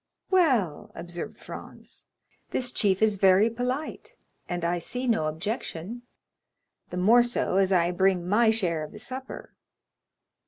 "Well," observed Franz, "this chief is very polite, and I see no objection—the more so as I bring my share of the supper."